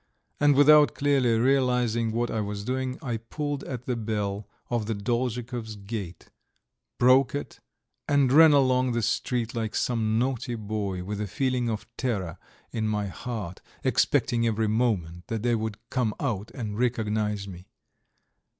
And without clearly realizing what I was doing, I pulled at the bell of the Dolzhikovs' gate, broke it, and ran along the street like some naughty boy, with a feeling of terror in my heart, expecting every moment that they would come out and recognize me.